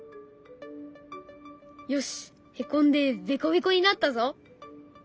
よしへこんでベコベコになったぞ。